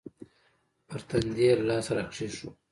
پر تندي يې لاس راکښېښوو.